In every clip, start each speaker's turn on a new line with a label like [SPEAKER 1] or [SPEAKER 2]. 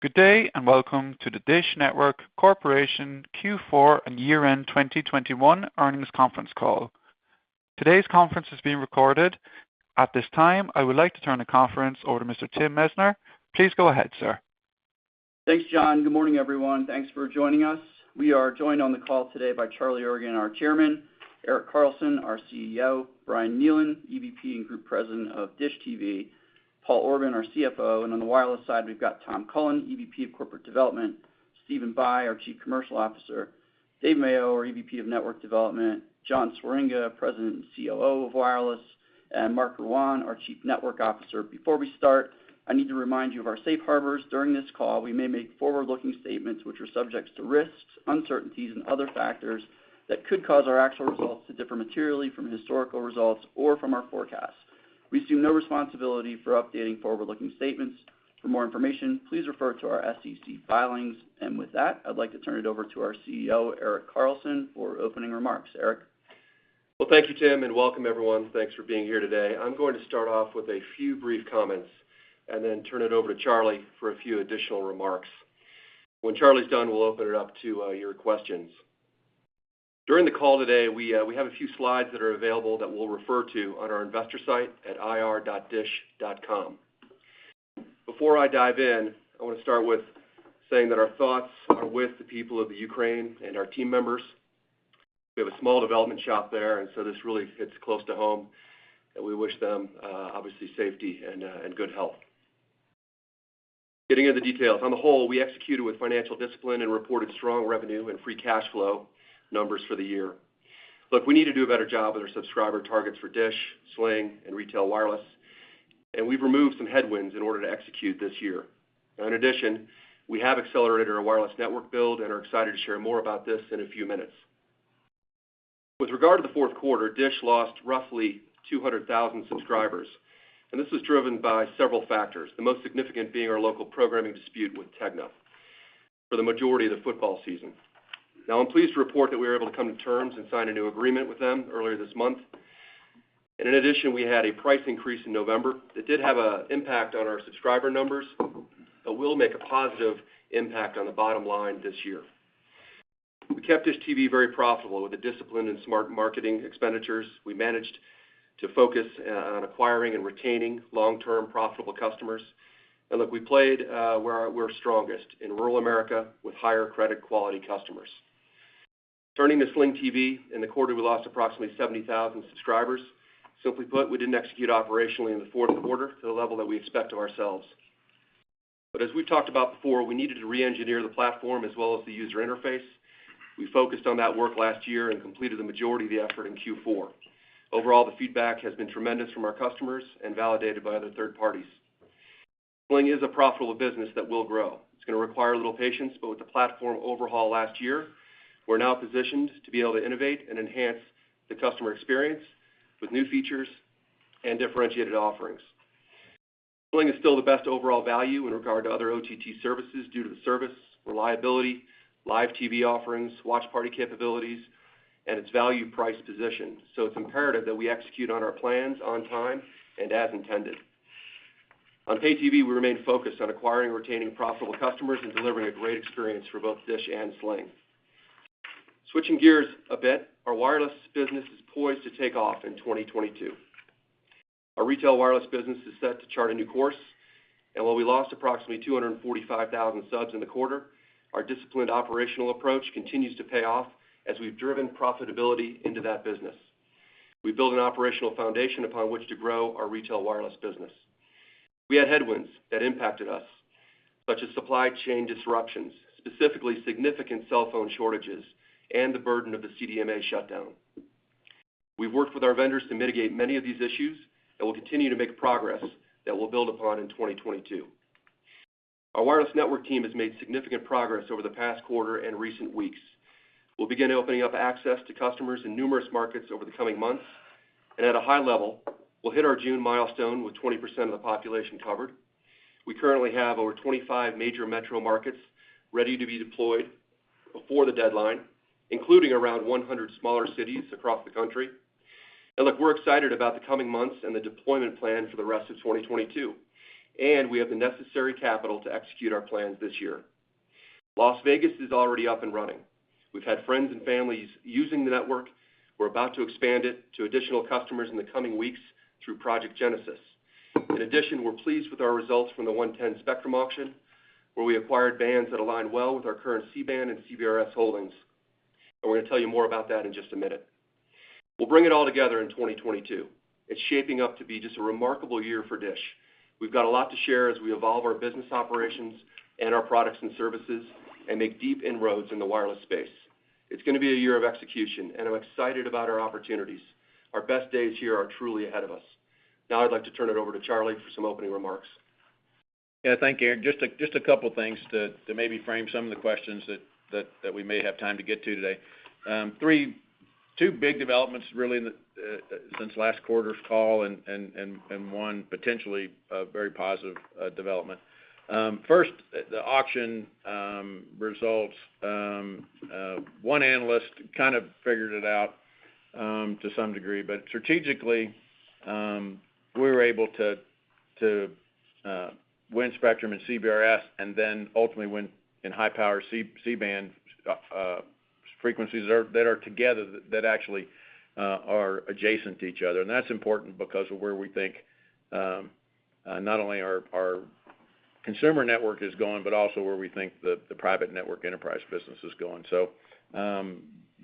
[SPEAKER 1] Good day, and welcome to the DISH Network Corporation Q4 and year-end 2021 Earnings Conference Call. Today's conference is being recorded. At this time, I would like to turn the conference over to Mr. Tim Messner. Please go ahead, sir.
[SPEAKER 2] Thanks, John. Good morning, everyone. Thanks for joining us. We are joined on the call today by Charlie Ergen, our chairman, Erik Carlson, our CEO, Brian Neylon, EVP and Group President of DISH TV, Paul Orban, our CFO, and on the Wireless side, we've got Tom Cullen, EVP of Corporate Development, Stephen Bye, our Chief Commercial Officer, Dave Mayo, our EVP of Network Development, John Swieringa, President and COO of Wireless, and Marc Rouanne, our Chief Network Officer. Before we start, I need to remind you of our safe harbors. During this call, we may make forward-looking statements which are subject to risks, uncertainties and other factors that could cause our actual results to differ materially from historical results or from our forecasts. We assume no responsibility for updating forward-looking statements. For more information, please refer to our SEC filings. With that, I'd like to turn it over to our CEO, Erik Carlson, for opening remarks. Erik?
[SPEAKER 3] Well, thank you, Tim, and welcome everyone. Thanks for being here today. I'm going to start off with a few brief comments and then turn it over to Charlie for a few additional remarks. When Charlie's done, we'll open it up to your questions. During the call today, we have a few slides that are available that we'll refer to on our investor site at ir.dish.com. Before I dive in, I want to start with saying that our thoughts are with the people of Ukraine and our team members. We have a small development shop there, and so this really hits close to home, and we wish them obviously safety and good health. Getting into details. On the whole, we executed with financial discipline and reported strong revenue and free cash flow numbers for the year. Look, we need to do a better job with our subscriber targets for DISH, Sling, and Retail Wireless, and we've removed some headwinds in order to execute this year. Now in addition, we have accelerated our wireless network build and are excited to share more about this in a few minutes. With regard to the fourth quarter, DISH lost roughly 200,000 subscribers, and this was driven by several factors, the most significant being our local programming dispute with TEGNA for the majority of the football season. Now I'm pleased to report that we were able to come to terms and sign a new agreement with them earlier this month. In addition, we had a price increase in November that did have an impact on our subscriber numbers that will make a positive impact on the bottom line this year. We kept DISH TV very profitable with a discipline in smart marketing expenditures. We managed to focus on acquiring and retaining long-term profitable customers. Look, we played where we're strongest, in rural America with higher credit quality customers. Turning to Sling TV, in the quarter, we lost approximately 70,000 subscribers. Simply put, we didn't execute operationally in the fourth quarter to the level that we expect of ourselves. As we talked about before, we needed to reengineer the platform as well as the user interface. We focused on that work last year and completed the majority of the effort in Q4. Overall, the feedback has been tremendous from our customers and validated by other third parties. Sling is a profitable business that will grow. It's gonna require a little patience, but with the platform overhaul last year, we're now positioned to be able to innovate and enhance the customer experience with new features and differentiated offerings. Sling is still the best overall value in regard to other OTT services due to the service, reliability, live TV offerings, watch party capabilities, and its value price position. It's imperative that we execute on our plans on time and as intended. On Pay TV, we remain focused on acquiring and retaining profitable customers and delivering a great experience for both DISH and Sling. Switching gears a bit, our Wireless business is poised to take off in 2022. Our Retail Wireless business is set to chart a new course, and while we lost approximately 245,000 subs in the quarter, our disciplined operational approach continues to pay off as we've driven profitability into that business. We build an operational foundation upon which to grow our Retail Wireless business. We had headwinds that impacted us, such as supply chain disruptions, specifically significant cell phone shortages and the burden of the CDMA shutdown. We've worked with our vendors to mitigate many of these issues, and we'll continue to make progress that we'll build upon in 2022. Our wireless network team has made significant progress over the past quarter and recent weeks. We'll begin opening up access to customers in numerous markets over the coming months. At a high level, we'll hit our June milestone with 20% of the population covered. We currently have over 25 major metro markets ready to be deployed before the deadline, including around 100 smaller cities across the country. Look, we're excited about the coming months and the deployment plan for the rest of 2022, and we have the necessary capital to execute our plans this year. Las Vegas is already up and running. We've had friends and families using the network. We're about to expand it to additional customers in the coming weeks through Project Genesis. In addition, we're pleased with our results from the Auction 110 Spectrum auction, where we acquired bands that align well with our current C-band and CBRS holdings, and we're gonna tell you more about that in just a minute. We'll bring it all together in 2022. It's shaping up to be just a remarkable year for DISH. We've got a lot to share as we evolve our business operations and our products and services and make deep inroads in the wireless space. It's gonna be a year of execution, and I'm excited about our opportunities. Our best days here are truly ahead of us. Now I'd like to turn it over to Charlie for some opening remarks.
[SPEAKER 4] Yeah. Thank you, Erik. Just a couple things to maybe frame some of the questions that we may have time to get to today. Two big developments really since last quarter's call and one potentially very positive development. First, the auction results, one analyst kind of figured it out to some degree. Strategically, we were able to to win Spectrum in CBRS and then ultimately win in high-power C-band frequencies that are together that actually are adjacent to each other. That's important because of where we think not only our consumer network is going, but also where we think the private network enterprise business is going.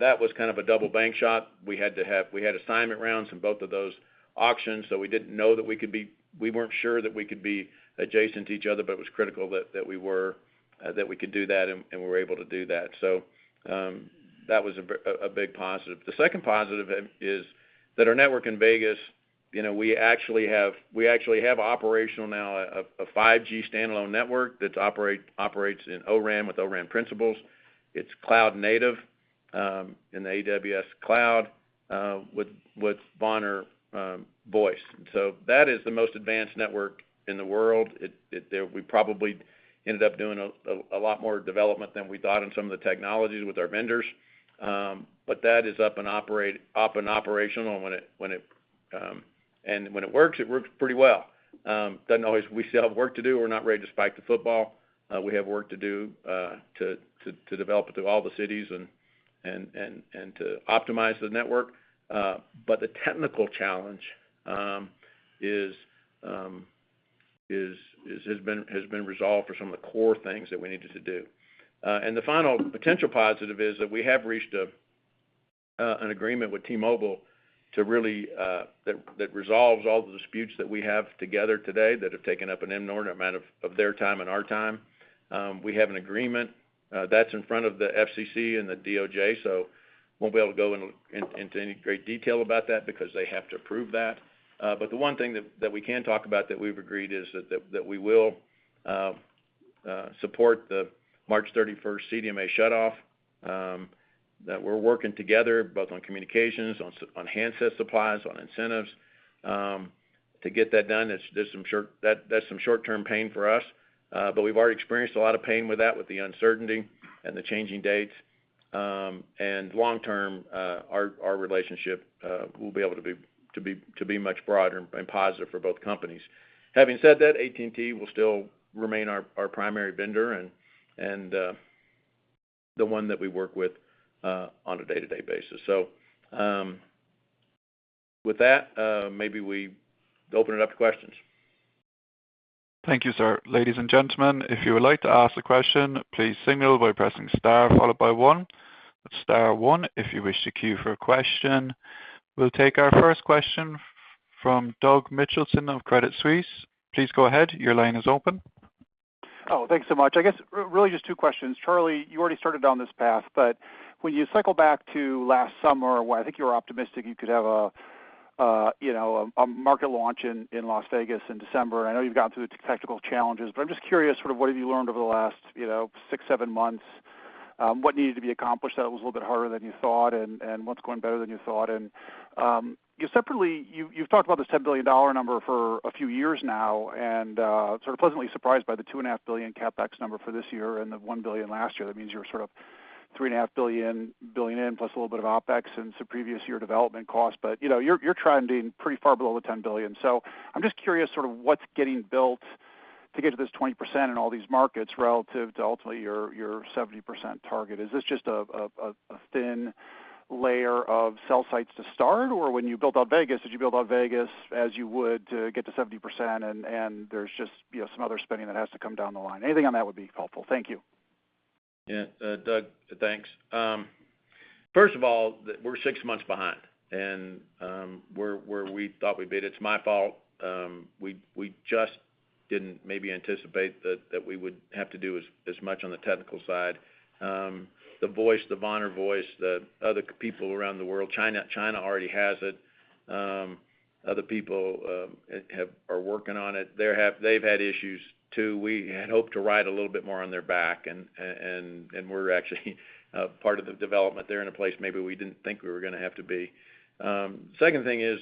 [SPEAKER 4] That was kind of a double bank shot. We had assignment rounds in both of those auctions, so we weren't sure that we could be adjacent to each other, but it was critical that we were, that we could do that, and we were able to do that. That was a big positive. The second positive is that our network in Vegas, we actually have operational now a 5G standalone network that operates in O-RAN with O-RAN principles. It's cloud native in the AWS cloud with Vonage Voice. That is the most advanced network in the world. There we probably ended up doing a lot more development than we thought in some of the technologies with our vendors. But that is up and operational when it works, it works pretty well. Doesn't always. We still have work to do, we're not ready to spike the football. We have work to do to develop it through all the cities and to optimize the network. The technical challenge has been resolved for some of the core things that we needed to do. The final potential positive is that we have reached an agreement with T-Mobile that resolves all the disputes that we have together today that have taken up an inordinate amount of their time and our time. We have an agreement that's in front of the FCC and the DOJ, so we won't be able to go into any great detail about that because they have to approve that. The one thing that we can talk about that we've agreed is that we will support the March 31 CDMA shutoff, that we're working together both on communications, on handset supplies, on incentives, to get that done. There's some short-term pain for us, but we've already experienced a lot of pain with that with the uncertainty and the changing dates. Long term, our relationship will be able to be much broader and positive for both companies. Having said that, AT&T will still remain our primary vendor and the one that we work with on a day-to-day basis. With that, maybe we open it up to questions.
[SPEAKER 1] Thank you, sir. Ladies and gentlemen, if you would like to ask a question, please signal by pressing star followed by 1. Star 1 if you wish to queue for a question. We'll take our first question from Doug Mitchelson of Credit Suisse. Please go ahead, your line is open.
[SPEAKER 5] Oh, thanks so much. I guess really just two questions. Charlie, you already started down this path, but when you cycle back to last summer when I think you were optimistic you could have a you know a market launch in Las Vegas in December. I know you've gone through the technical challenges, but I'm just curious sort of what have you learned over the last you know six, seven months what needed to be accomplished that was a little bit harder than you thought, and what's going better than you thought? Separately, you've talked about this $10 billion number for a few years now and sort of pleasantly surprised by the $2.5 billion CapEx number for this year and the $1 billion last year. That means you're sort of $3.5 billion in plus a little bit of OpEx and some previous year development costs, but you know, you're trending pretty far below the $10 billion. I'm just curious sort of what's getting built to get to this 20% in all these markets relative to ultimately your 70% target. Is this just a thin layer of cell sites to start? Or when you built out Vegas, did you build out Vegas as you would to get to 70% and there's just, you know, some other spending that has to come down the line? Anything on that would be helpful. Thank you.
[SPEAKER 4] Yeah, Doug, thanks. First of all, we're six months behind, and we're where we thought we'd be. It's my fault. We just didn't maybe anticipate that we would have to do as much on the technical side. The Voice, the Vonage Voice, other people around the world, China already has it. Other people are working on it. They've had issues too. We had hoped to ride a little bit more on their back and we're actually a part of the development. They're in a place maybe we didn't think we were gonna have to be. Second thing is,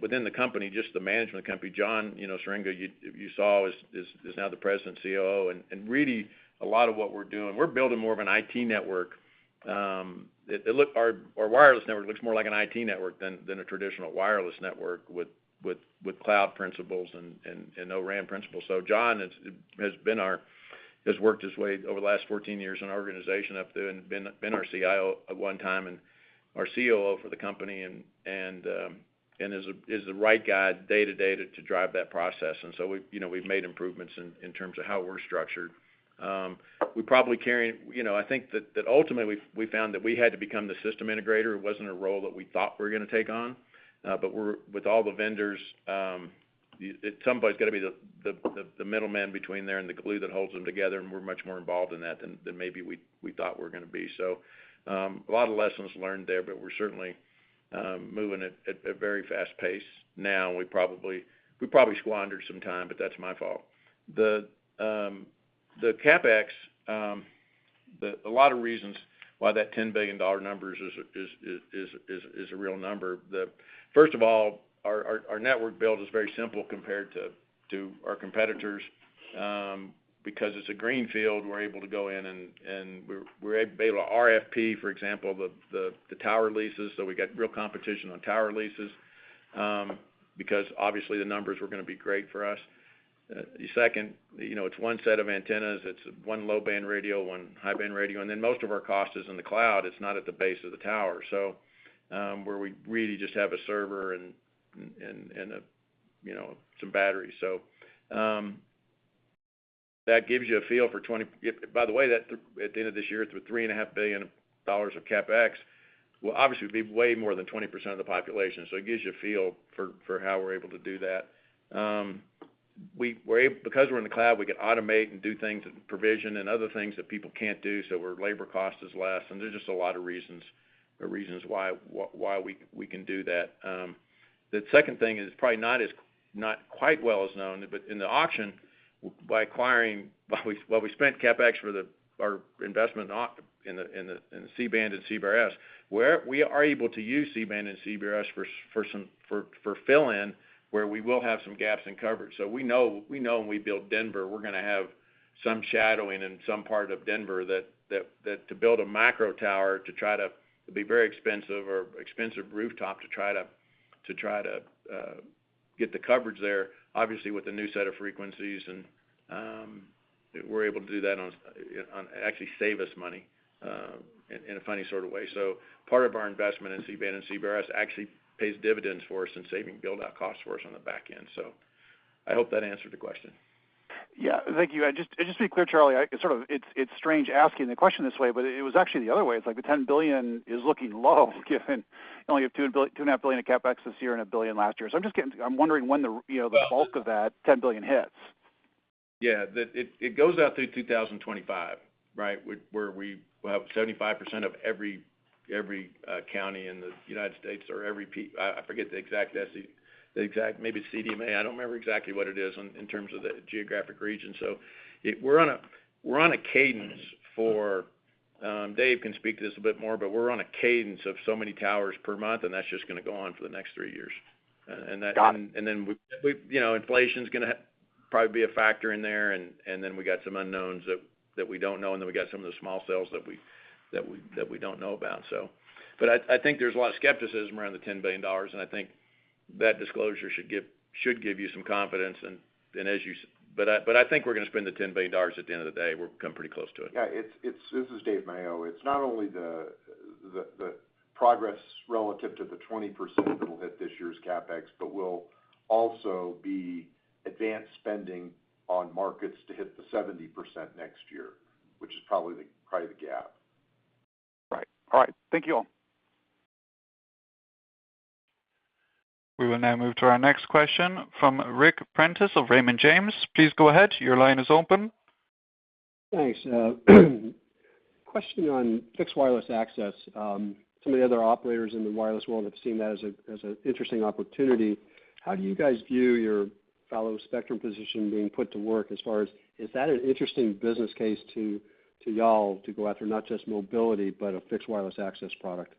[SPEAKER 4] within the company, just the management company, John, you know, Swieringa, you saw, is now the President and COO, and really a lot of what we're doing, we're building more of an IT network. Our wireless network looks more like an IT network than a traditional wireless network with cloud principles and O-RAN principles. John has worked his way over the last 14 years in our organization up to and been our CIO at one time and our COO for the company, and is the right guy day to day to drive that process. We've you know made improvements in terms of how we're structured. We probably, you know, I think that ultimately we found that we had to become the system integrator. It wasn't a role that we thought we were gonna take on, but with all the vendors, somebody's got to be the middleman between there and the glue that holds them together, and we're much more involved in that than maybe we thought we were gonna be. A lot of lessons learned there, but we're certainly moving at a very fast pace now. We probably squandered some time, but that's my fault. The CapEx, a lot of reasons why that $10 billion number is a real number. First of all, our network build is very simple compared to our competitors. Because it's a greenfield, we're able to go in and we're able to RFP, for example, the tower leases. We got real competition on tower leases. Because obviously, the numbers were gonna be great for us. The second, you know, it's one set of antennas, one low-band radio, one high-band radio, and then most of our cost is in the cloud. It's not at the base of the tower, where we really just have a server and a, you know, some batteries. That gives you a feel for 20%. By the way, that at the end of this year, through $3.5 billion of CapEx, will obviously be way more than 20% of the population. It gives you a feel for how we're able to do that. Because we're in the cloud, we can automate and do things with provision and other things that people can't do, so our labor cost is less, and there's just a lot of reasons why we can do that. The second thing is probably not quite as well known, but in the auction, while we spent CapEx for our investment in the C-band and CBRS, where we are able to use C-band and CBRS for some fill-in, where we will have some gaps in coverage. We know when we build Denver, we're gonna have some shadowing in some part of Denver that to build a micro tower to try to it'd be very expensive or expensive rooftop to try to get the coverage there. Obviously, with a new set of frequencies and we're able to do that actually save us money in a funny sort of way. Part of our investment in C-band and CBRS actually pays dividends for us in saving build-out costs for us on the back end. I hope that answered the question.
[SPEAKER 5] Yeah. Thank you. Just to be clear, Charlie, sort of it's strange asking the question this way, but it was actually the other way. It's like the $10 billion is looking low given you only have $2.5 billion in CapEx this year and $1 billion last year. So I'm wondering when the, you know, the bulk of that $10 billion hits.
[SPEAKER 4] Yeah. It goes out through 2025, right? Where we will have 75% of every county in the United States. I forget the exact, maybe CDMA. I don't remember exactly what it is in terms of the geographic region. We're on a cadence. Dave can speak to this a bit more, but we're on a cadence of so many towers per month, and that's just gonna go on for the next three years. And that-
[SPEAKER 5] Got it.
[SPEAKER 4] -we, you know, inflation's gonna probably be a factor in there, and then we got some unknowns that we don't know, and then we got some of the small cells that we don't know about. I think there's a lot of skepticism around the $10 billion, and I think that disclosure should give you some confidence. I think we're gonna spend the $10 billion at the end of the day. We'll come pretty close to it.
[SPEAKER 6] This is Dave Mayo. It's not only the progress relative to the 20% that'll hit this year's CapEx, but will also be advanced spending on markets to hit the 70% next year, which is probably the gap.
[SPEAKER 5] Right. All right. Thank you all.
[SPEAKER 1] We will now move to our next question from Ric Prentiss of Raymond James. Please go ahead. Your line is open.
[SPEAKER 7] Thanks. Question on fixed wireless access. Some of the other operators in the wireless world have seen that as an interesting opportunity. How do you guys view your full spectrum position being put to work as far as, is that an interesting business case to y'all to go after not just mobility, but a fixed wireless access product?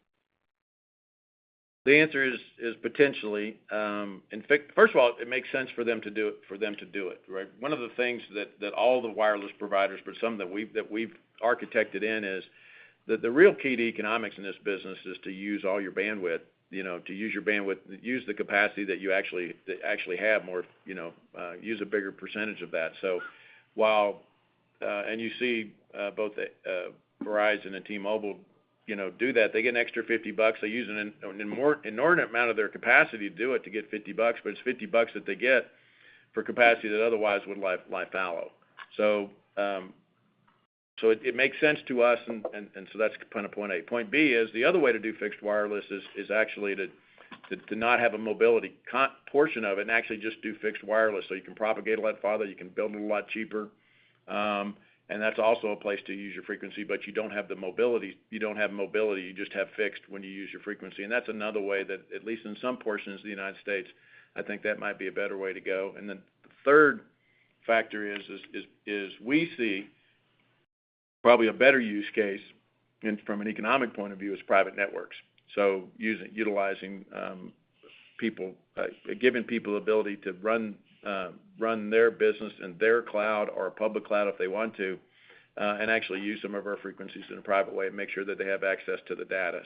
[SPEAKER 4] The answer is potentially in fact. First of all, it makes sense for them to do it, right? One of the things that all the wireless providers, but some that we've architected in is, that the real key to economics in this business is to use all your bandwidth, you know, to use your bandwidth, use the capacity that you actually have more, you know, use a bigger percentage of that. So while and you see both Verizon and T-Mobile, you know, do that. They get an extra $50. They use an inordinate amount of their capacity to do it, to get $50, but it's $50 that they get for capacity that otherwise would lie fallow. It makes sense to us and so that's kinda point A. Point B is the other way to do fixed wireless is actually to not have a mobility portion of it and actually just do fixed wireless. You can propagate a lot farther, you can build it a lot cheaper, and that's also a place to use your frequency, but you don't have the mobility. You don't have mobility, you just have fixed when you use your frequency. That's another way that, at least in some portions of the United States, I think that might be a better way to go. The third factor is we see probably a better use case and from an economic point of view is private networks. Utilizing people, giving people the ability to run their business in their cloud or a public cloud if they want to and actually use some of our frequencies in a private way and make sure that they have access to the data.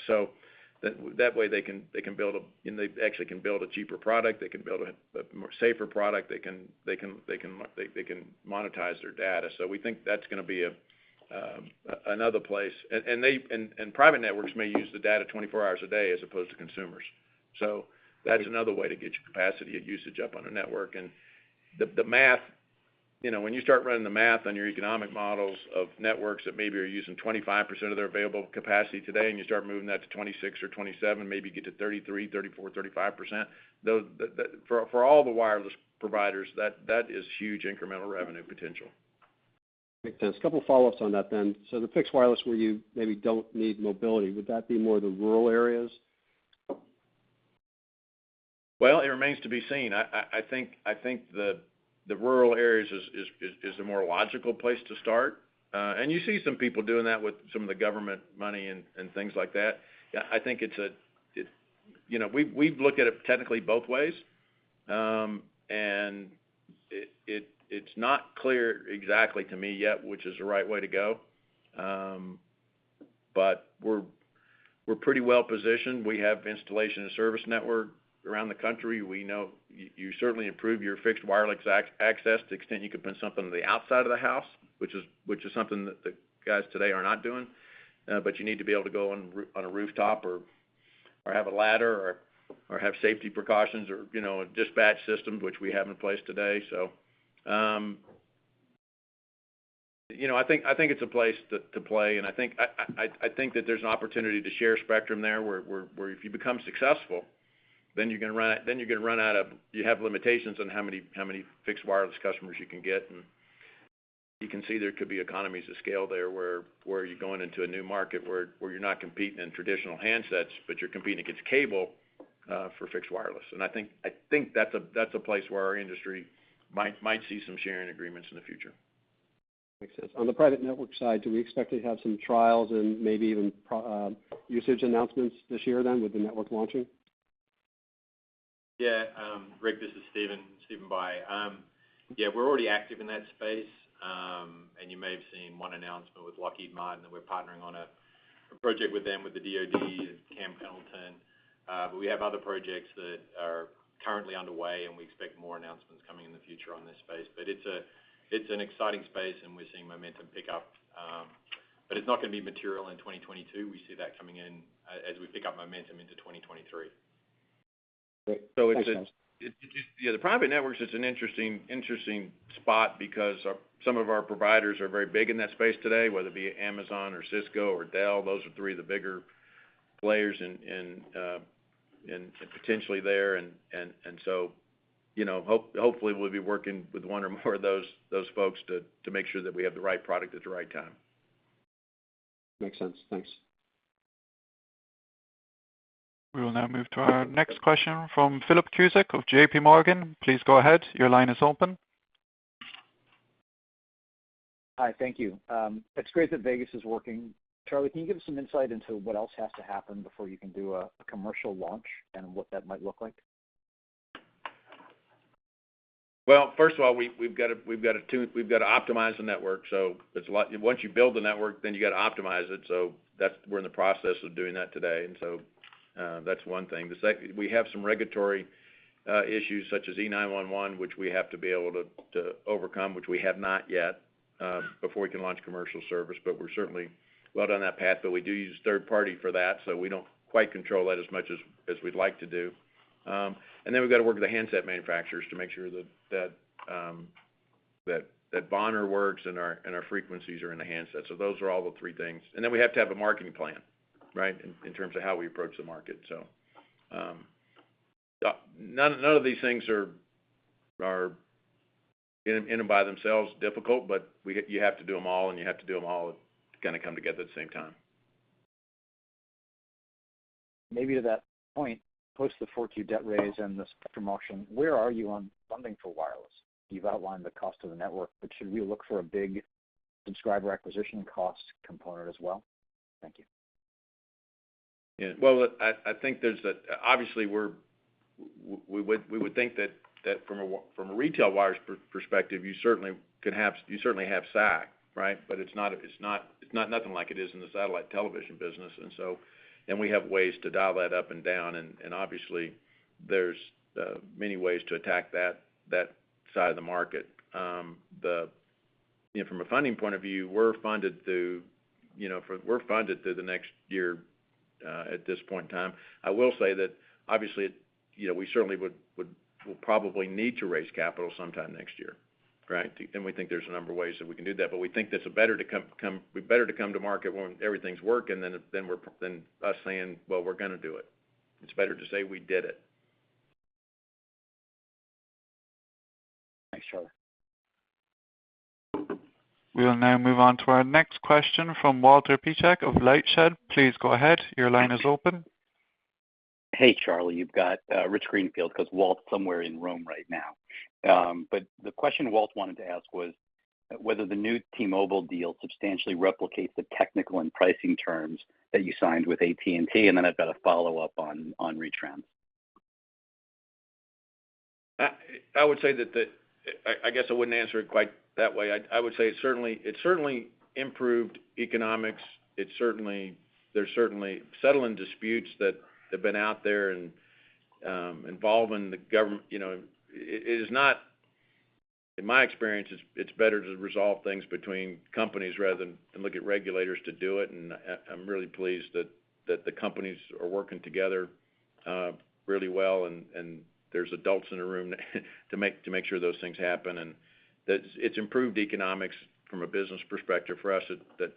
[SPEAKER 4] That way, they actually can build a cheaper product. They can build a more safer product. They can monetize their data. We think that's gonna be another place. Private networks may use the data 24 hours a day as opposed to consumers. That's another way to get your capacity and usage up on a network. The math, you know, when you start running the math on your economic models of networks that maybe are using 25% of their available capacity today, and you start moving that to 26% or 27%, maybe get to 33%, 34%, 35%, for all the wireless providers, that is huge incremental revenue potential.
[SPEAKER 7] Makes sense. A couple follow-ups on that then. The fixed wireless where you maybe don't need mobility, would that be more the rural areas?
[SPEAKER 4] Well, it remains to be seen. I think the rural areas is a more logical place to start. You see some people doing that with some of the government money and things like that. You know, we've looked at it technically both ways. It's not clear exactly to me yet which is the right way to go. We're pretty well positioned. We have installation and service network around the country. We know you certainly improve your fixed wireless access to the extent you could put something on the outside of the house, which is something that the guys today are not doing. You need to be able to go on a rooftop or have a ladder or have safety precautions or, you know, a dispatch system, which we have in place today. You know, I think it's a place to play, and I think that there's an opportunity to share spectrum there, where if you become successful, then you're gonna run out. You have limitations on how many fixed wireless customers you can get. You can see there could be economies of scale there, where you're going into a new market, where you're not competing in traditional handsets, but you're competing against cable for fixed wireless. I think that's a place where our industry might see some sharing agreements in the future.
[SPEAKER 7] Makes sense. On the private network side, do we expect to have some trials and maybe even usage announcements this year then with the network launching?
[SPEAKER 8] Yeah. Ric, this is Stephen Bye. Yeah, we're already active in that space. You may have seen one announcement with Lockheed Martin, that we're partnering on a project with them, with the DoD at Camp Pendleton. We have other projects that are currently underway, and we expect more announcements coming in the future on this space. It's an exciting space, and we're seeing momentum pick up. It's not gonna be material in 2022. We see that coming in, as we pick up momentum into 2023.
[SPEAKER 7] Great. Makes sense.
[SPEAKER 4] The private networks is an interesting spot because some of our providers are very big in that space today, whether it be Amazon or Cisco or Dell, those are three of the bigger players in potentially there. You know, hopefully, we'll be working with one or more of those folks to make sure that we have the right product at the right time.
[SPEAKER 7] Makes sense. Thanks.
[SPEAKER 1] We will now move to our next question from Philip Cusick of J.P. Morgan. Please go ahead. Your line is open.
[SPEAKER 9] Hi. Thank you. It's great that Vegas is working. Charlie, can you give us some insight into what else has to happen before you can do a commercial launch and what that might look like?
[SPEAKER 4] Well, first of all, we've got to optimize the network. Once you build the network, then you gotta optimize it. We're in the process of doing that today. That's one thing. We have some regulatory issues such as E911, which we have to be able to overcome, which we have not yet before we can launch commercial service, but we're certainly well down that path. We do use third party for that, so we don't quite control that as much as we'd like to do. We've got to work with the handset manufacturers to make sure that our band works and our frequencies are in the handset. Those are all the three things. Then we have to have a marketing plan, right? In terms of how we approach the market. None of these things are in and by themselves difficult, but you have to do them all kind of come together at the same time.
[SPEAKER 9] Maybe to that point, post the Q4 debt raise and the spectrum auction, where are you on funding for wireless? You've outlined the cost of the network, but should we look for a big subscriber acquisition cost component as well? Thank you.
[SPEAKER 4] Well, I think obviously we would think that from a retail wireless perspective, you certainly have SAC, right? But it's not nothing like it is in the satellite television business. We have ways to dial that up and down, and obviously, there's many ways to attack that side of the market. You know, from a funding point of view, we're funded through, you know, the next year at this point in time. I will say that obviously, you know, we certainly would, we'll probably need to raise capital sometime next year, right? We think there's a number of ways that we can do that. We think that's better to come to market when everything's working than us saying, "Well, we're gonna do it." It's better to say we did it.
[SPEAKER 9] Thanks, Charlie.
[SPEAKER 1] We will now move on to our next question from Walter Piecyk of LightShed. Please go ahead. Your line is open.
[SPEAKER 10] Hey, Charlie. You've got Rich Greenfield because Walt is somewhere in Rome right now. The question Walt wanted to ask was whether the new T-Mobile deal substantially replicates the technical and pricing terms that you signed with AT&T, and then I've got a follow-up on retrans.
[SPEAKER 4] I would say that the... I guess I wouldn't answer it quite that way. I would say it certainly improved economics. It certainly settled disputes that have been out there and involving the government, you know. It is not, in my experience, it's better to resolve things between companies rather than look at regulators to do it. I am really pleased that the companies are working together, really well, and there's adults in the room to make sure those things happen. That it's improved economics from a business perspective for us, that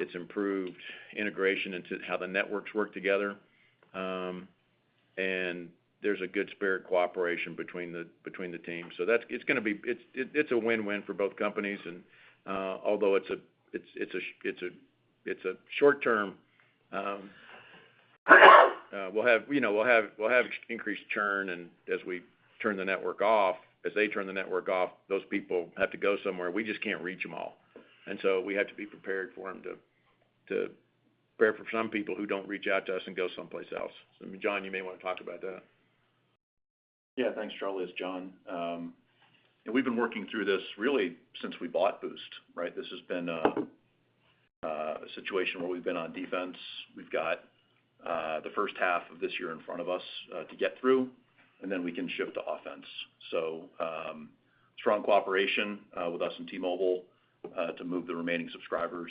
[SPEAKER 4] it's improved integration into how the networks work together. And there's a good spirit cooperation between the teams. That's a win-win for both companies. Although it's a short term, we'll have, you know, increased churn and as we turn the network off, as they turn the network off, those people have to go somewhere. We just can't reach them all. We have to be prepared for them to prepare for some people who don't reach out to us and go someplace else. John, you may wanna talk about that.
[SPEAKER 11] Yeah. Thanks, Charlie. It's John. We've been working through this really since we bought Boost, right? This has been a situation where we've been on defense. We've got the first half of this year in front of us to get through, and then we can shift to offense. Strong cooperation with us and T-Mobile to move the remaining subscribers.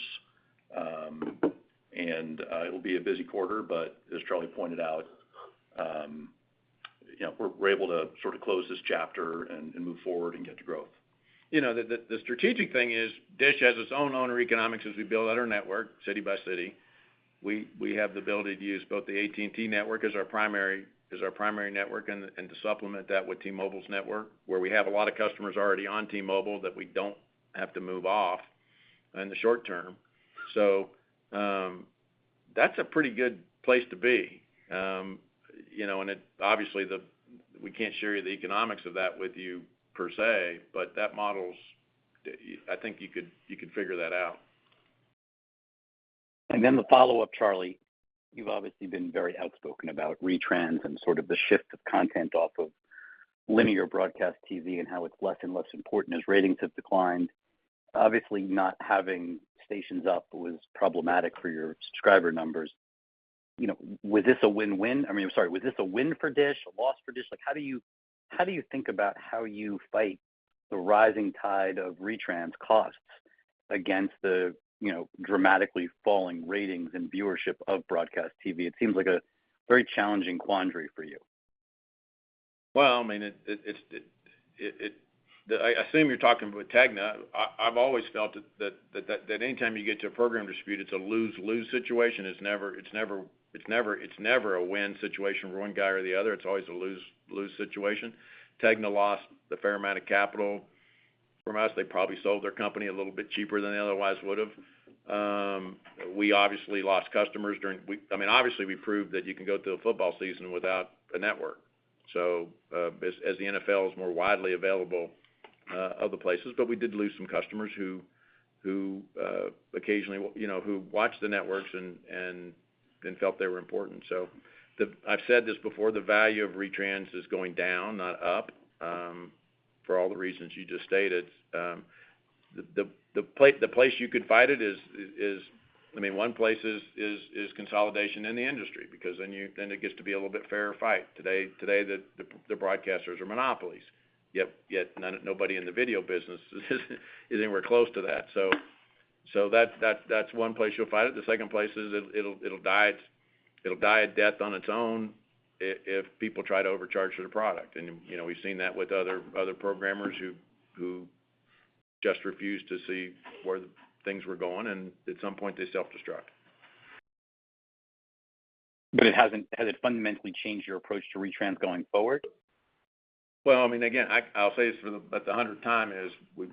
[SPEAKER 11] It'll be a busy quarter, but as Charlie pointed out, you know, we're able to sort of close this chapter and move forward and get to growth.
[SPEAKER 4] You know, the strategic thing is DISH has its own owner economics as we build out our network city by city. We have the ability to use both the AT&T network as our primary network and to supplement that with T-Mobile's network, where we have a lot of customers already on T-Mobile that we don't have to move off in the short term. That's a pretty good place to be. You know, obviously we can't share the economics of that with you per se, but that model's I think you could figure that out.
[SPEAKER 10] The follow-up, Charlie, you've obviously been very outspoken about retrans and sort of the shift of content off of linear broadcast TV and how it's less and less important as ratings have declined. Obviously, not having stations up was problematic for your subscriber numbers. You know, was this a win-win? I mean, I'm sorry, was this a win for DISH, a loss for DISH? Like, how do you, how do you think about how you fight the rising tide of retrans costs against the, you know, dramatically falling ratings and viewership of broadcast TV? It seems like a very challenging quandary for you.
[SPEAKER 4] Well, I mean, I assume you're talking about TEGNA. I've always felt that anytime you get to a program dispute, it's a lose-lose situation. It's never a win situation for one guy or the other. It's always a lose-lose situation. TEGNA lost a fair amount of capital from us. They probably sold their company a little bit cheaper than they otherwise would have. We obviously lost customers. I mean, obviously, we proved that you can go through a football season without the network. As the NFL is more widely available other places. We did lose some customers who occasionally, you know, who watched the networks and felt they were important. I've said this before, the value of retrans is going down, not up, for all the reasons you just stated. The place you could fight it is. I mean, one place is consolidation in the industry because then it gets to be a little bit fairer fight. Today the broadcasters are monopolies, yet nobody in the video business is anywhere close to that. That's one place you'll fight it. The second place is it'll die a death on its own if people try to overcharge for the product. You know, we've seen that with other programmers who just refused to see where things were going, and at some point, they self-destruct.
[SPEAKER 10] Has it fundamentally changed your approach to retrans going forward?
[SPEAKER 4] Well, I mean, again, I'll say this about the 100th time.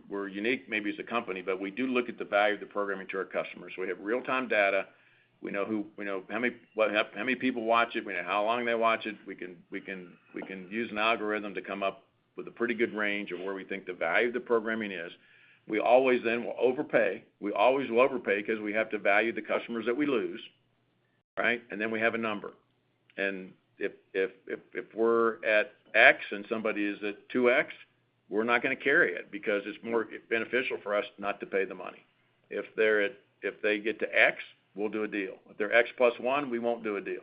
[SPEAKER 4] We're unique maybe as a company, but we do look at the value of the programming to our customers. We have real-time data. We know how many people watch it. We know how long they watch it. We can use an algorithm to come up with a pretty good range of where we think the value of the programming is. We always then will overpay. We always will overpay because we have to value the customers that we lose, right? And then we have a number. And if we're at X and somebody is at 2X, we're not gonna carry it because it's more beneficial for us not to pay the money. If they get to X, we'll do a deal. If they're X plus one, we won't do a deal.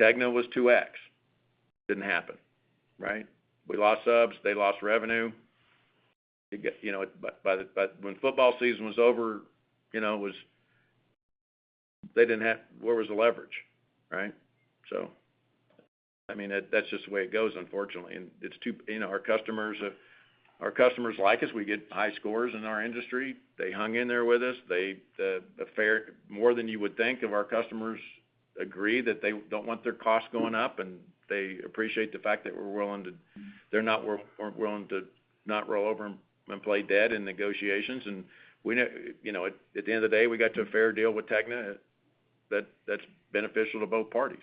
[SPEAKER 4] TEGNA was 2X. Didn't happen, right? We lost subs. They lost revenue. You know, by when football season was over, you know, where was the leverage, right? So, I mean, that's just the way it goes, unfortunately. It's true, you know, our customers like us. We get high scores in our industry. They hung in there with us. More than you would think of our customers agree that they don't want their costs going up, and they appreciate the fact that we're willing to not roll over and play dead in negotiations. You know, at the end of the day, we got to a fair deal with TEGNA that's beneficial to both parties.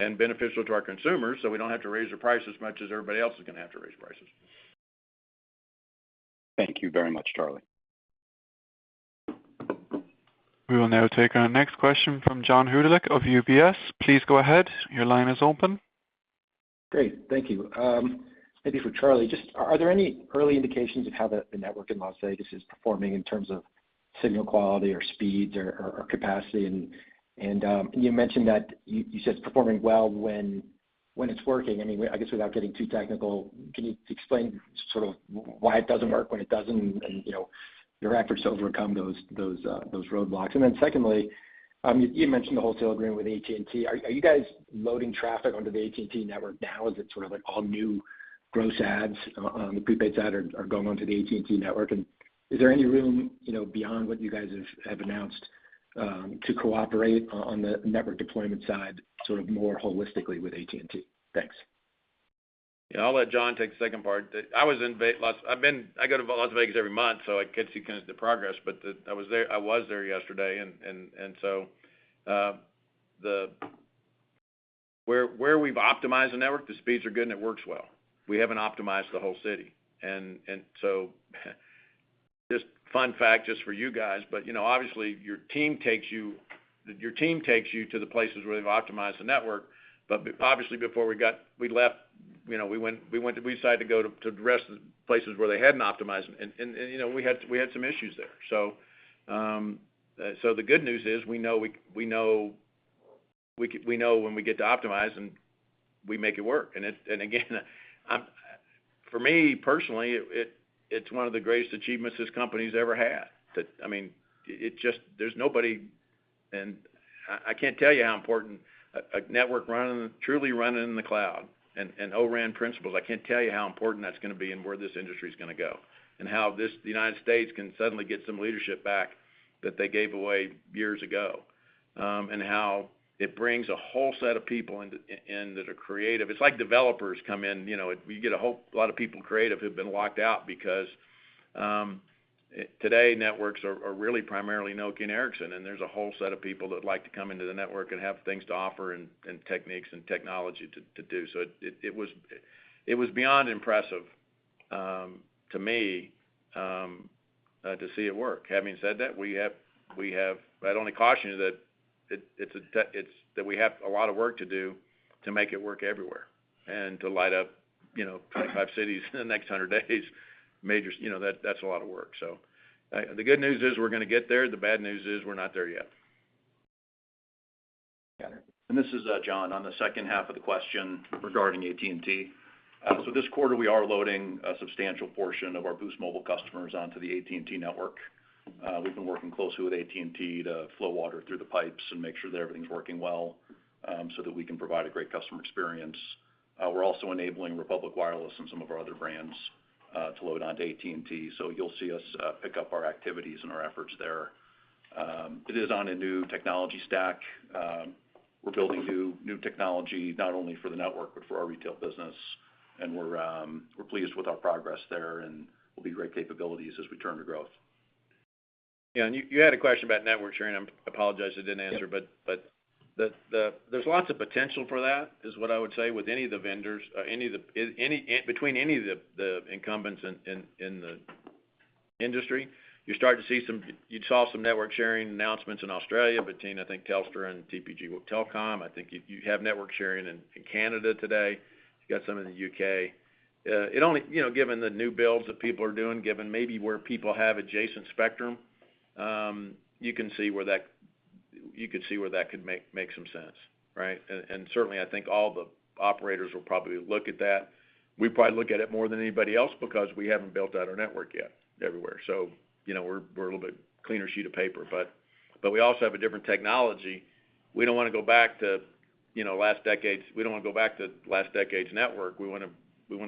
[SPEAKER 4] Beneficial to our consumers, so we don't have to raise the price as much as everybody else is gonna have to raise prices.
[SPEAKER 10] Thank you very much, Charlie.
[SPEAKER 11] We will now take our next question from John Hodulik of UBS. Please go ahead. Your line is open.
[SPEAKER 12] Great. Thank you. Maybe for Charlie, are there any early indications of how the network in Las Vegas is performing in terms of signal quality or speeds or capacity? You mentioned that you said it's performing well when it's working. I mean, I guess without getting too technical, can you explain sort of why it doesn't work when it doesn't and, you know, your efforts to overcome those roadblocks? Then secondly, you mentioned the wholesale agreement with AT&T. Are you guys loading traffic onto the AT&T network now? Is it sort of like all new gross adds on the prepaid side are going onto the AT&T network? Is there any room, you know, beyond what you guys have announced, to cooperate on the network deployment side sort of more holistically with AT&T? Thanks.
[SPEAKER 4] Yeah, I'll let John take the second part. I was in Las Vegas. I go to Las Vegas every month, so I get to kind of see the progress. But I was there yesterday and so where we've optimized the network, the speeds are good and it works well. We haven't optimized the whole city. So just fun fact just for you guys, but you know, obviously, your team takes you to the places where they've optimized the network. But obviously, before we left, you know, we decided to go to the rest of the places where they hadn't optimized, and you know, we had some issues there. The good news is we know when we get to optimize, and we make it work. Again, for me, personally, it's one of the greatest achievements this company's ever had. I can't tell you how important a network running, truly running in the cloud and O-RAN principles. I can't tell you how important that's gonna be and where this industry's gonna go, and how the United States can suddenly get some leadership back that they gave away years ago, and how it brings a whole set of people into that are creative. It's like developers come in, you know, we get a whole lot of people creative who've been locked out because today networks are really primarily Nokia and Ericsson, and there's a whole set of people that like to come into the network and have things to offer and techniques and technology to do. It was beyond impressive to me to see it work. Having said that, we have. I'd only caution you that, that we have a lot of work to do to make it work everywhere and to light up, you know, 25 cities in the next 100 days, majors. You know, that's a lot of work. The good news is we're gonna get there. The bad news is we're not there yet.
[SPEAKER 12] Got it.
[SPEAKER 11] This is John, on the second half of the question regarding AT&T. This quarter, we are loading a substantial portion of our Boost Mobile customers onto the AT&T network. We've been working closely with AT&T to flow water through the pipes and make sure that everything's working well, so that we can provide a great customer experience. We're also enabling Republic Wireless and some of our other brands to load onto AT&T. You'll see us pick up our activities and our efforts there. It is on a new technology stack. We're building new technology not only for the network, but for our retail business, and we're pleased with our progress there, and will be great capabilities as we turn to growth.
[SPEAKER 4] Yeah. You had a question about network sharing. I apologize, I didn't answer.
[SPEAKER 12] Yeah.
[SPEAKER 4] There's lots of potential for that, is what I would say with any of the vendors, any between any of the incumbents in the industry. You saw some network sharing announcements in Australia between, I think, Telstra and TPG Telecom. I think you have network sharing in Canada today. You got some in the U.K. It only, you know, given the new builds that people are doing, given maybe where people have adjacent spectrum, you could see where that could make some sense, right? Certainly I think all the operators will probably look at that. We probably look at it more than anybody else because we haven't built out our network yet everywhere. You know, we're a little bit cleaner sheet of paper, but we also have a different technology. We don't wanna go back to last decade's network. We wanna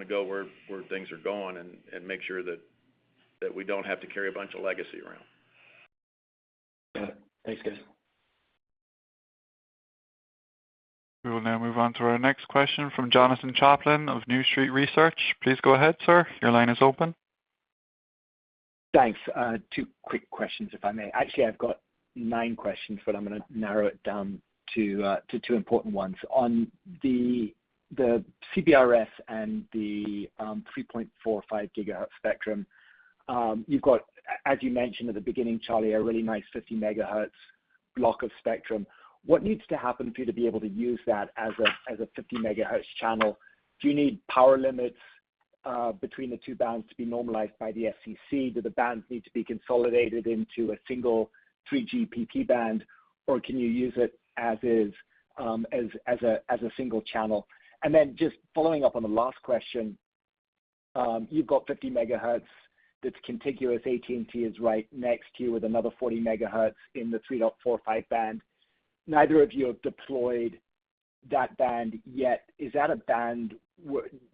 [SPEAKER 4] go where things are going and make sure that we don't have to carry a bunch of legacy around.
[SPEAKER 12] Got it. Thanks, guys.
[SPEAKER 1] We will now move on to our next question from Jonathan Chaplin of New Street Research. Please go ahead, sir. Your line is open.
[SPEAKER 13] Thanks. Two quick questions, if I may. Actually, I've got nine questions, but I'm gonna narrow it down to two important ones. On the CBRS and the 3.45 GHz spectrum, as you mentioned at the beginning, Charlie, a really nice 50 MHz block of spectrum. What needs to happen for you to be able to use that as a 50 MHz channel? Do you need power limits between the two bands to be normalized by the FCC? Do the bands need to be consolidated into a single 3GPP band, or can you use it as is, as a single channel? Then just following up on the last question, you've got 50 MHz that's contiguous. AT&T is right next to you with another 40 MHz in the 3.45 band. Neither of you have deployed that band yet. Is that a band, you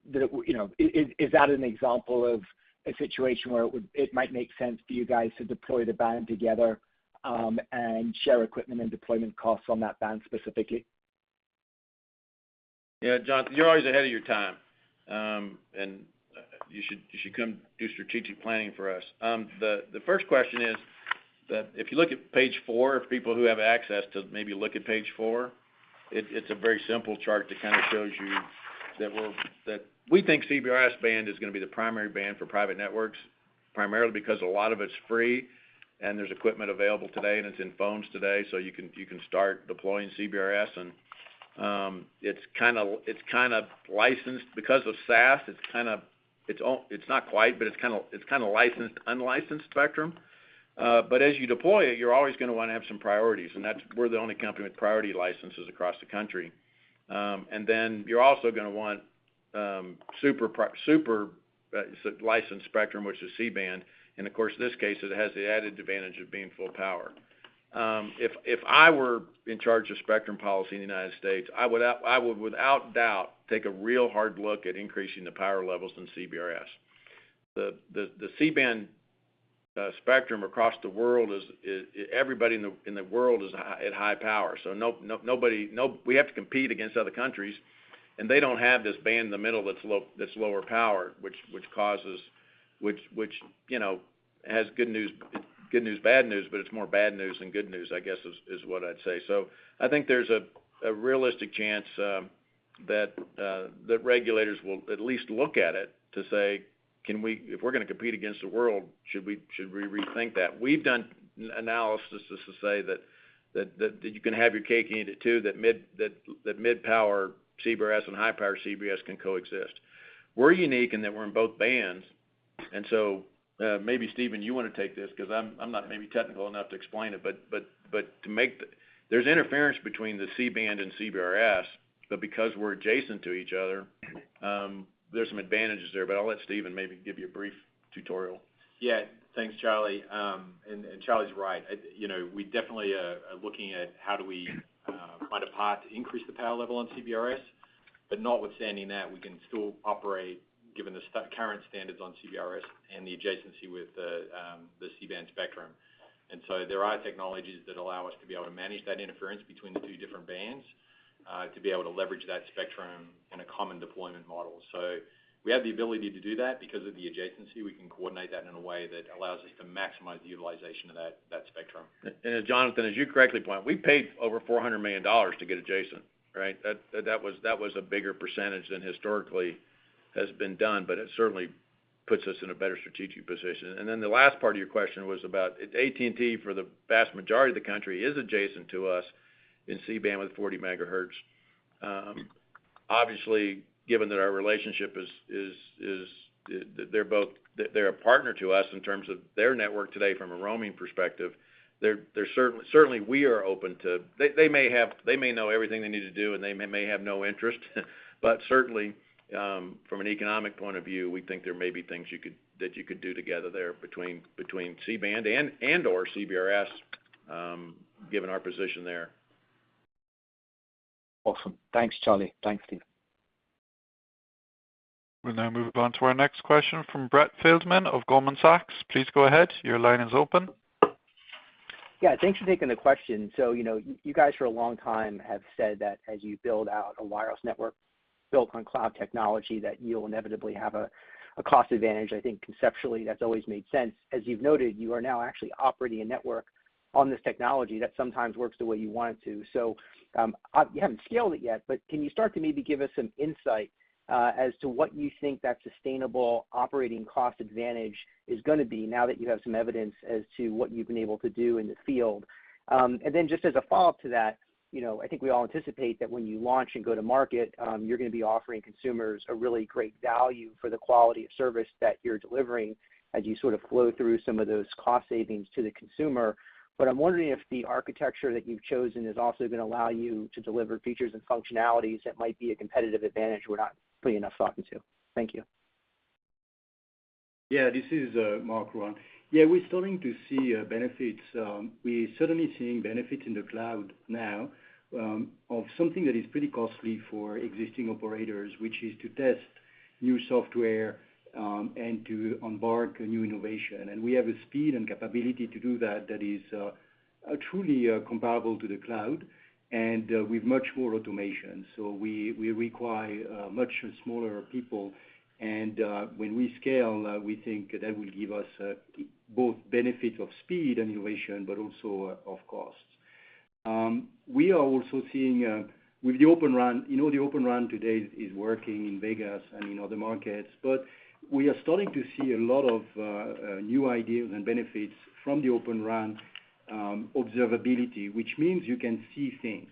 [SPEAKER 13] know, is that an example of a situation where it might make sense for you guys to deploy the band together, and share equipment and deployment costs on that band specifically?
[SPEAKER 4] Yeah, Jonathan, you're always ahead of your time. You should come do strategic planning for us. The first question is that if you look at page 4, if people who have access maybe look at page 4. It's a very simple chart that kind of shows you that we think CBRS band is gonna be the primary band for private networks, primarily because a lot of it's free and there's equipment available today and it's in phones today, so you can start deploying CBRS. It's kind of licensed because of SAS. It's kind of not quite, but it's kind of licensed unlicensed spectrum. But as you deploy it, you're always gonna wanna have some priorities, and that's why we're the only company with priority licenses across the country. Then you're also gonna want super licensed spectrum, which is C-band. Of course, in this case, it has the added advantage of being full power. If I were in charge of spectrum policy in the United States, I would, without doubt, take a real hard look at increasing the power levels in CBRS. The C-band spectrum across the world is. Everybody in the world is at high power. We have to compete against other countries, and they don't have this band in the middle that's lower power, which, you know, has good news, bad news, but it's more bad news than good news, I guess is what I'd say. I think there's a realistic chance that regulators will at least look at it to say, can we, if we're gonna compete against the world, should we rethink that? We've done analyses to say that you can have your cake and eat it too, that mid-power CBRS and high-power CBRS can coexist. We're unique in that we're in both bands, and so maybe Stephen, you wanna take this because I'm not maybe technical enough to explain it. But to make the. There's interference between the C-band and CBRS, but because we're adjacent to each other, there's some advantages there, but I'll let Stephen maybe give you a brief tutorial.
[SPEAKER 8] Yeah. Thanks, Charlie. Charlie's right. You know, we definitely are looking at how do we find a path to increase the power level on CBRS, but notwithstanding that, we can still operate given the current standards on CBRS and the adjacency with the C-band spectrum. There are technologies that allow us to be able to manage that interference between the two different bands to be able to leverage that spectrum in a common deployment model. We have the ability to do that because of the adjacency. We can coordinate that in a way that allows us to maximize the utilization of that spectrum.
[SPEAKER 4] Jonathan, as you correctly point out, we paid over $400 million to get adjacent, right? That was a bigger percentage than historically has been done, but it certainly puts us in a better strategic position. Then the last part of your question was about AT&T. For the vast majority of the country is adjacent to us in C-band with 40 MHz. Obviously, given that our relationship is. They're a partner to us in terms of their network today from a roaming perspective. They're certainly, we are open to. They may know everything they need to do, and they may have no interest, but certainly, from an economic point of view, we think there may be things that you could do together there between C-band and/or CBRS, given our position there.
[SPEAKER 13] Awesome. Thanks, Charlie. Thanks, Stephen.
[SPEAKER 1] We'll now move on to our next question from Brett Feldman of Goldman Sachs. Please go ahead. Your line is open.
[SPEAKER 14] Yeah, thanks for taking the question. You know, you guys for a long time have said that as you build out a wireless network built on cloud technology, that you'll inevitably have a cost advantage. I think conceptually that's always made sense. As you've noted, you are now actually operating a network on this technology that sometimes works the way you want it to. You haven't scaled it yet, but can you start to maybe give us some insight as to what you think that sustainable operating cost advantage is gonna be now that you have some evidence as to what you've been able to do in the field? Just as a follow-up to that, you know, I think we all anticipate that when you launch and go to market, you're gonna be offering consumers a really great value for the quality of service that you're delivering as you sort of flow through some of those cost savings to the consumer. I'm wondering if the architecture that you've chosen is also gonna allow you to deliver features and functionalities that might be a competitive advantage we're not putting enough thought into. Thank you.
[SPEAKER 15] Yeah, this is Marc Rouanne. Yeah, we're starting to see benefits. We're certainly seeing benefits in the cloud now of something that is pretty costly for existing operators, which is to test new software and to embark on a new innovation. We have a speed and capability to do that that is truly comparable to the cloud and with much more automation. We require much smaller people and when we scale we think that will give us both benefit of speed and innovation, but also of costs. We are also seeing with the Open RAN, you know, the Open RAN today is working in Vegas and in other markets, but we are starting to see a lot of new ideas and benefits from the Open RAN, observability, which means you can see things.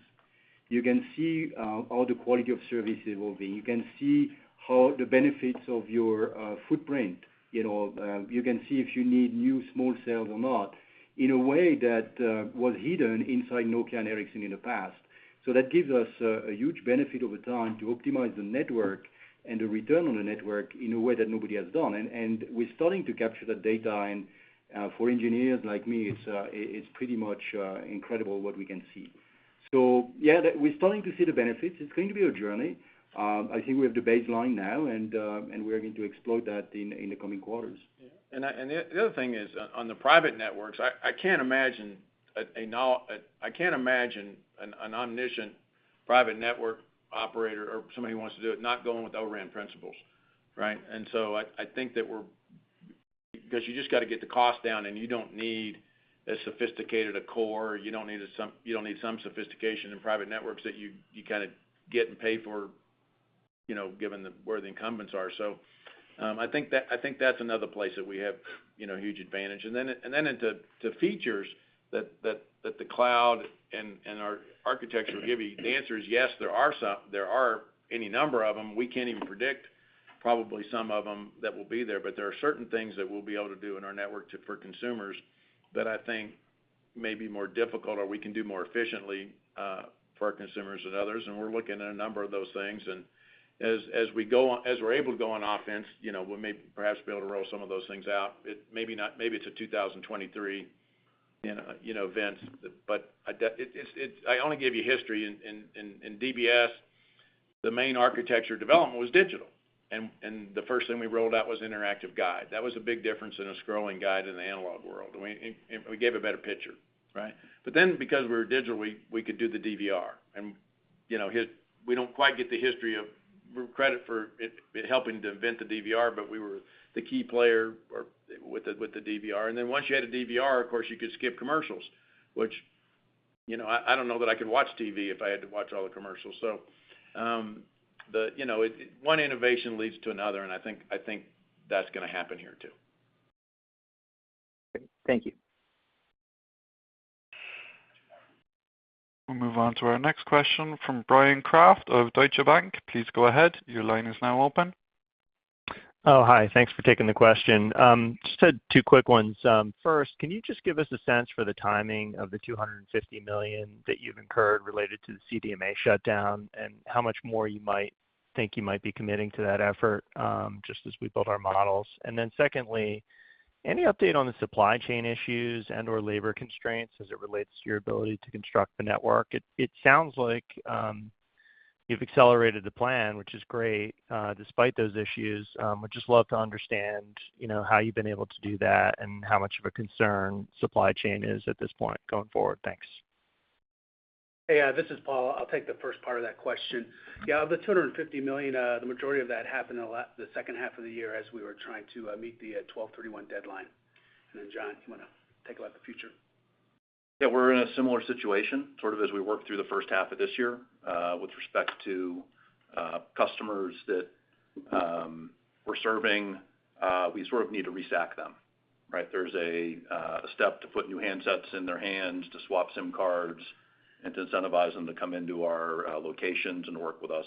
[SPEAKER 15] You can see how the quality of service evolving. You can see how the benefits of your footprint, you know. You can see if you need new small cells or not in a way that was hidden inside Nokia and Ericsson in the past. That gives us a huge benefit over time to optimize the network and the return on the network in a way that nobody has done. We're starting to capture the data, and for engineers like me, it's pretty much incredible what we can see. Yeah, we're starting to see the benefits. It's going to be a journey. I think we have the baseline now, and we're going to explore that in the coming quarters.
[SPEAKER 4] Yeah. The other thing is on the private networks. I can't imagine an omniscient private network operator or somebody who wants to do it not going with O-RAN principles, right? I think, because you just gotta get the cost down, and you don't need as sophisticated a core. You don't need some sophistication in private networks that you kinda get and pay for, you know, given where the incumbents are. I think that's another place that we have, you know, huge advantage. Then into the features that the cloud and our architecture will give you, the answer is yes, there are some. There are any number of them. We can't even predict probably some of them that will be there, but there are certain things that we'll be able to do in our network for consumers that I think may be more difficult or we can do more efficiently for our consumers than others, and we're looking at a number of those things. As we're able to go on offense, you know, we'll maybe perhaps be able to roll some of those things out. Maybe it's a 2023 event, but it's. I only gave you history. In DBS, the main architecture development was digital. The first thing we rolled out was interactive guide. That was a big difference in a scrolling guide in the analog world. We gave a better picture, right? Because we're digital, we could do the DVR. You know, we don't quite get the credit for helping to invent the DVR, but we were the key player with the DVR. Once you had a DVR, of course you could skip commercials, which, you know, I don't know that I could watch TV if I had to watch all the commercials. You know, one innovation leads to another, and I think that's gonna happen here too.
[SPEAKER 14] Thank you.
[SPEAKER 1] We'll move on to our next question from Bryan Kraft of Deutsche Bank. Please go ahead. Your line is now open.
[SPEAKER 16] Oh, hi. Thanks for taking the question. Just had two quick ones. First, can you just give us a sense for the timing of the $250 million that you've incurred related to the CDMA shutdown and how much more you might be committing to that effort, just as we build our models? Then secondly, any update on the supply chain issues and/or labor constraints as it relates to your ability to construct the network? It sounds like you've accelerated the plan, which is great, despite those issues. Would just love to understand, you know, how you've been able to do that and how much of a concern supply chain is at this point going forward. Thanks.
[SPEAKER 17] Hey, this is Paul. I'll take the first part of that question. Yeah, the $250 million, the majority of that happened the second half of the year as we were trying to meet the 12/31 deadline. Then John, do you wanna talk about the future?
[SPEAKER 11] Yeah. We're in a similar situation, sort of as we work through the first half of this year, with respect to, customers that, we're serving, we sort of need to re-SIM them, right? There's a step to put new handsets in their hands to swap SIM cards and to incentivize them to come into our locations and work with us.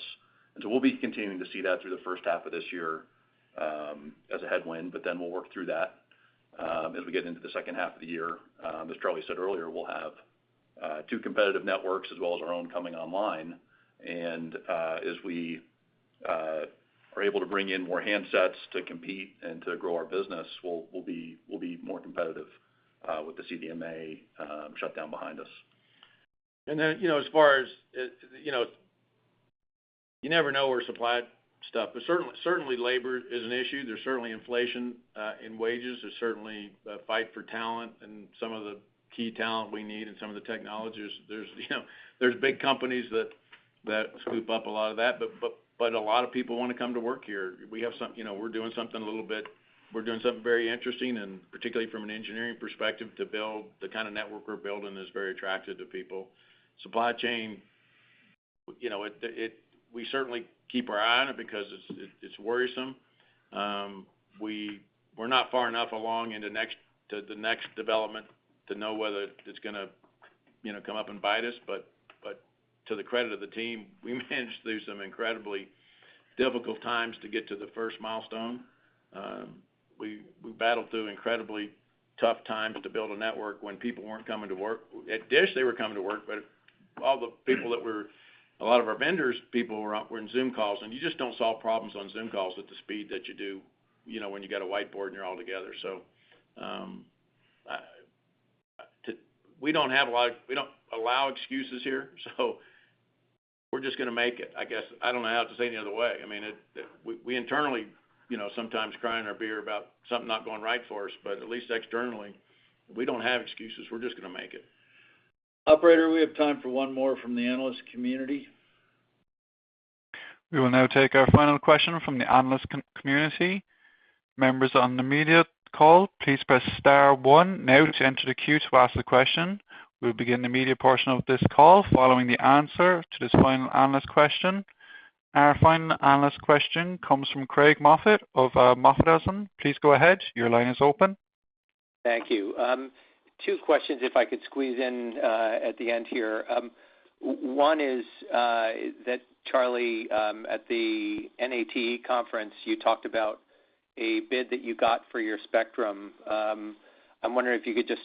[SPEAKER 11] We'll be continuing to see that through the first half of this year, as a headwind, but then we'll work through that. As we get into the second half of the year, as Charlie said earlier, we'll have two competitive networks as well as our own coming online. As we are able to bring in more handsets to compete and to grow our business, we'll be more competitive with the CDMA shutdown behind us.
[SPEAKER 4] You know, as far as, you know. You never know where supply stuff, but certainly labor is an issue. There's certainly inflation in wages. There's certainly a fight for talent and some of the key talent we need and some of the technologies. You know, there's big companies that scoop up a lot of that, but a lot of people wanna come to work here. You know, we're doing something very interesting, and particularly from an engineering perspective to build the kind of network we're building is very attractive to people. Supply chain, you know, we certainly keep our eye on it because it's worrisome. We're not far enough along in the next development to know whether it's gonna, you know, come up and bite us. To the credit of the team, we managed through some incredibly difficult times to get to the first milestone. We battled through incredibly tough times to build a network when people weren't coming to work. At DISH, they were coming to work, but a lot of our vendors' people were in Zoom calls, and you just don't solve problems on Zoom calls at the speed that you do, you know, when you got a whiteboard and you're all together. We don't have a lot of excuses here, so we're just gonna make it, I guess. I don't know how to say any other way. I mean, we internally, you know, sometimes crying in our beer about something not going right for us, but at least externally, we don't have excuses. We're just gonna make it.
[SPEAKER 2] Operator, we have time for one more from the analyst community.
[SPEAKER 1] We will now take our final question from the analyst community. Members on the media call, please press star 1 now to enter the queue to ask the question. We'll begin the media portion of this call following the answer to this final analyst question. Our final analyst question comes from Craig Moffett of MoffettNathanson. Please go ahead. Your line is open.
[SPEAKER 18] Thank you. Two questions if I could squeeze in at the end here. One is that Charlie, at the NATE Conference, you talked about a bid that you got for your spectrum. I'm wondering if you could just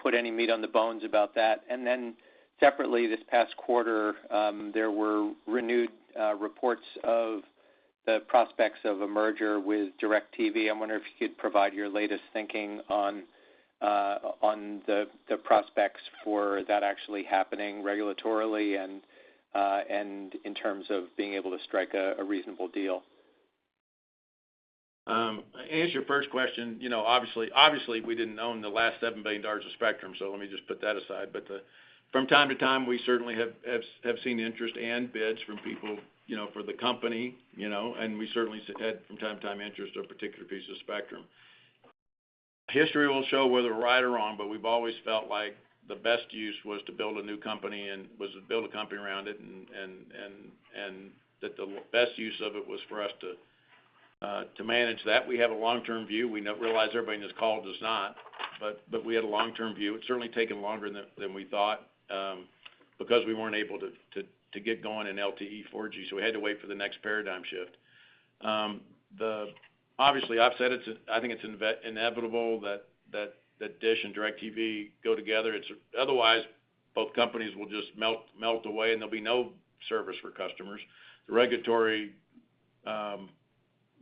[SPEAKER 18] put any meat on the bones about that. Then separately, this past quarter, there were renewed reports of the prospects of a merger with DIRECTV. I'm wondering if you could provide your latest thinking on the prospects for that actually happening regulatorily and in terms of being able to strike a reasonable deal.
[SPEAKER 4] To answer your first question, you know, obviously we didn't own the last $7 billion of spectrum, so let me just put that aside. From time to time, we certainly have seen interest and bids from people, you know, for the company, you know, and we certainly had from time to time interest in a particular piece of spectrum. History will show whether we're right or wrong, but we've always felt like the best use was to build a new company and was to build a company around it and that the best use of it was for us to manage that. We have a long-term view. We realize everybody in this call does not, but we had a long-term view. It's certainly taken longer than we thought, because we weren't able to get going in LTE 4G, so we had to wait for the next paradigm shift. Obviously, I've said it's, I think it's inevitable that DISH and DIRECTV go together. Otherwise, both companies will just melt away and there'll be no service for customers. The regulatory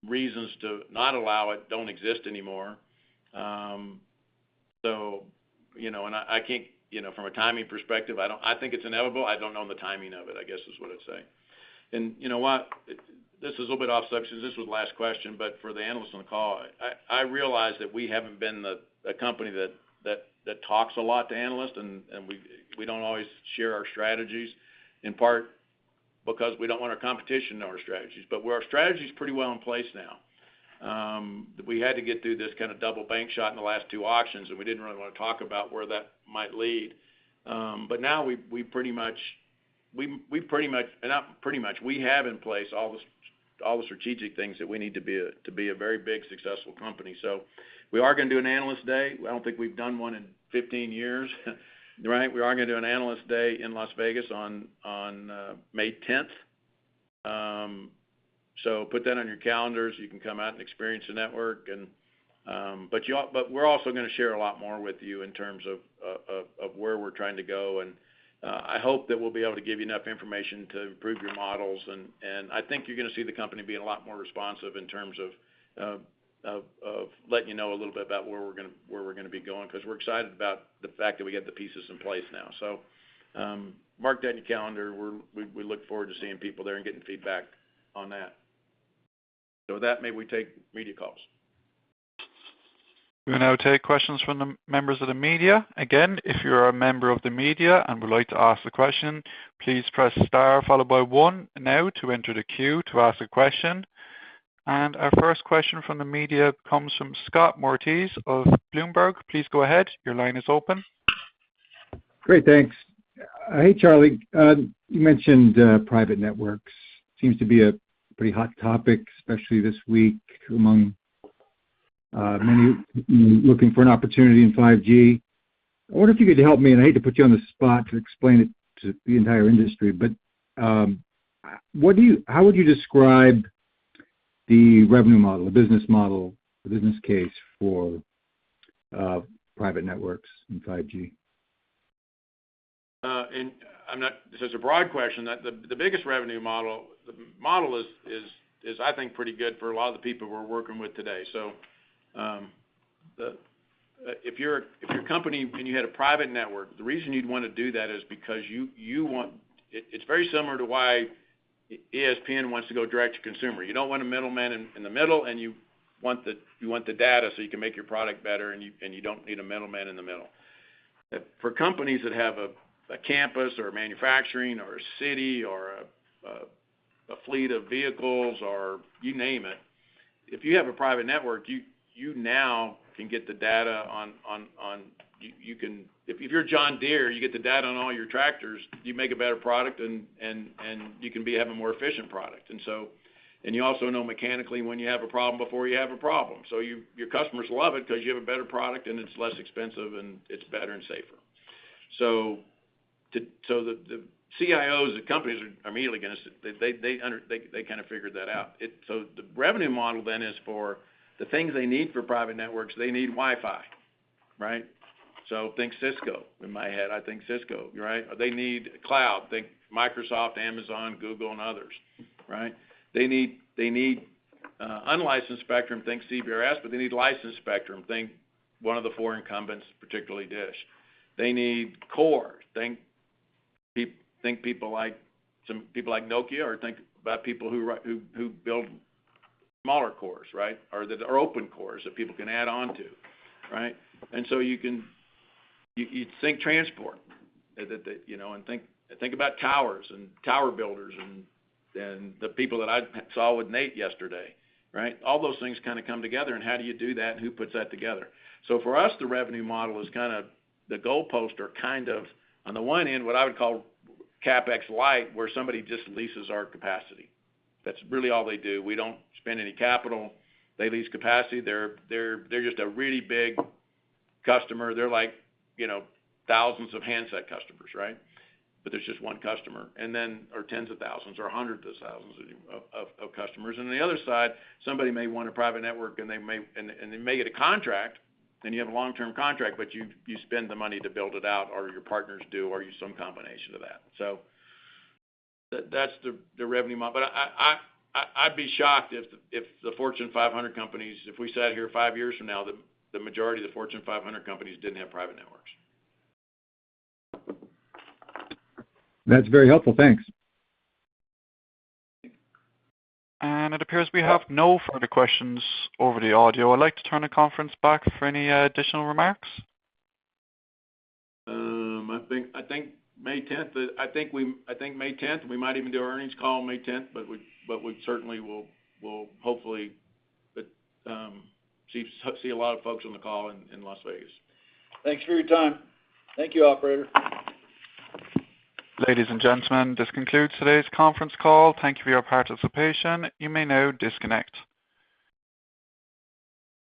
[SPEAKER 4] reasons to not allow it don't exist anymore. So, you know, and I can't. You know, from a timing perspective, I think it's inevitable. I don't know the timing of it, I guess, is what I'd say. You know what? This is a little bit off subject 'cause this was the last question, but for the analysts on the call, I realize that we haven't been a company that talks a lot to analysts and we don't always share our strategies. In part because we don't want our competition to know our strategies. Our strategy is pretty well in place now. We had to get through this kind of double bank shot in the last two auctions, and we didn't really wanna talk about where that might lead. Now we have in place all the strategic things that we need to be a very big, successful company. We are gonna do an Analyst Day. I don't think we've done one in 15 years. Right? We are gonna do an Analyst Day in Las Vegas on May 10. Put that on your calendars. You can come out and experience the network. But we're also gonna share a lot more with you in terms of where we're trying to go, and I hope that we'll be able to give you enough information to improve your models. I think you're gonna see the company be a lot more responsive in terms of letting you know a little bit about where we're gonna be going, 'cause we're excited about the fact that we got the pieces in place now. Mark that in your calendar. We look forward to seeing people there and getting feedback on that. With that, maybe we take media calls.
[SPEAKER 1] We'll now take questions from the members of the media. Again, if you're a member of the media and would like to ask a question, please press star followed by 1 now to enter the queue to ask a question. Our first question from the media comes from Scott Moritz of Bloomberg. Please go ahead. Your line is open.
[SPEAKER 19] Great. Thanks. Hey, Charlie. You mentioned private networks. Seems to be a pretty hot topic, especially this week, among many looking for an opportunity in 5G. I wonder if you could help me, and I hate to put you on the spot to explain it to the entire industry, but how would you describe the revenue model, the business model, the business case for private networks in 5G?
[SPEAKER 4] This is a broad question. The biggest revenue model is, I think, pretty good for a lot of the people we're working with today. If you're a company and you had a private network, the reason you'd wanna do that is because you want. It's very similar to why ESPN wants to go direct to consumer. You don't want a middleman in the middle, and you want the data so you can make your product better and you don't need a middleman in the middle. For companies that have a campus or manufacturing or a city or a fleet of vehicles or you name it, if you have a private network, you now can get the data on. If you're John Deere, you get the data on all your tractors, you make a better product and you can be having a more efficient product. You also know mechanically when you have a problem before you have a problem. Your customers love it 'cause you have a better product and it's less expensive and it's better and safer. The CIOs of the companies are immediately gonna see. They understand. They kinda figured that out. The revenue model then is for the things they need for private networks, they need Wi-Fi, right? Think Cisco. In my head, I think Cisco, right? They need cloud. Think Microsoft, Amazon, Google, and others, right? They need unlicensed spectrum. Think CBRS, but they need licensed spectrum. Think one of the four incumbents, particularly DISH. They need core. Think people like Nokia, or think about people who build smaller cores, right? Or open cores that people can add on to, right? You think transport, you know? Think about towers and tower builders and the people that I saw with Nate yesterday, right? All those things kinda come together and how do you do that and who puts that together? For us, the revenue model is kinda the goalpost or kind of, on the one end, what I would call CapEx light, where somebody just leases our capacity. That's really all they do. We don't spend any capital. They lease capacity. They're just a really big customer. They're like, you know, thousands of handset customers, right? But there's just one customer. Then or tens of thousands or hundreds of thousands of customers. On the other side, somebody may want a private network and they may get a contract, then you have a long-term contract, but you spend the money to build it out or your partners do, or you some combination of that. That's the revenue model. I'd be shocked if the Fortune 500 companies, if we sat here five years from now, the majority of the Fortune 500 companies didn't have private networks.
[SPEAKER 19] That's very helpful. Thanks.
[SPEAKER 1] It appears we have no further questions over the audio. I'd like to turn the conference back for any additional remarks.
[SPEAKER 4] I think May 10. We might even do our earnings call on May 10, but we certainly will. We'll hopefully see a lot of folks on the call in Las Vegas.
[SPEAKER 2] Thanks for your time. Thank you, operator.
[SPEAKER 1] Ladies and gentlemen, this concludes today's conference call. Thank you for your participation. You may now disconnect.